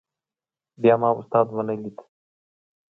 بیا ما استاد ونه لید.